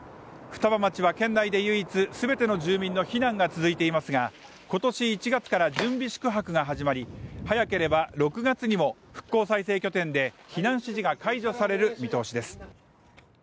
双葉町は県内で唯一すべての住民の避難が続いていますがことし１月から準備宿泊が始まり早ければ６月にも復興再生拠点で避難指示が解除される見通しです